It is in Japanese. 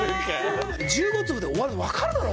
１５粒で終わるの分かるだろ！